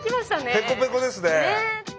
ペコペコですね。